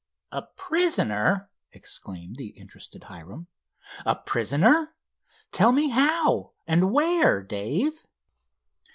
"A prisoner?" exclaimed the interested Hiram. "A prisoner? Tell me how and where, Dave?"